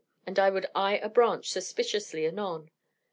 and I would eye a branch suspiciously anon.